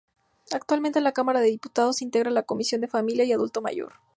Actualmente en la Cámara de Diputados integra la Comisión de Familia y Adulto Mayor.